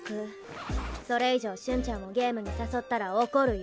それ以上瞬ちゃんをゲームに誘ったら怒るよ。